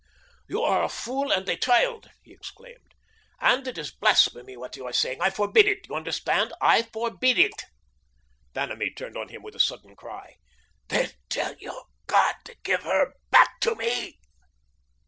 "You are a fool and a child," he exclaimed, "and it is blasphemy that you are saying. I forbid it. You understand? I forbid it." Vanamee turned on him with a sudden cry. "Then, tell your God to give her back to me!"